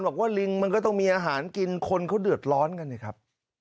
บอกว่าลิงมันก็ต้องมีอาหารกินคนเขาเดือดร้อนกันสิครับ